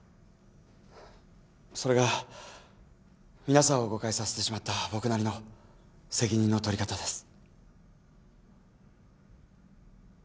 それが皆さんを誤解させてしまった僕なりの責任の取り方です。